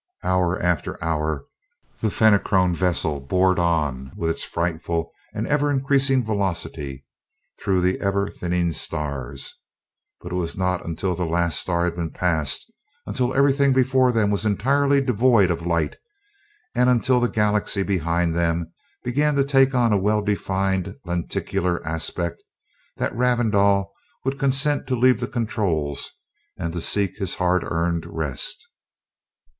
Hour after hour the Fenachrone vessel bored on, with its frightful and ever increasing velocity, through the ever thinning stars, but it was not until the last star had been passed, until everything before them was entirely devoid of light, and until the Galaxy behind them began to take on a well defined lenticular aspect, that Ravindau would consent to leave the controls and to seek his hard earned rest.